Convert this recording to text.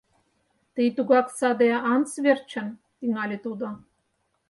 — Тый тугак саде Антс верчын... — тӱҥале тудо.